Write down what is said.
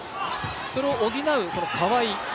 それを補う川井。